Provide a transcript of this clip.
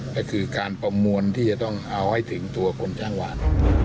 ก็คือการประมวลที่จะต้องเอาให้ถึงตัวคนจ้างหวาน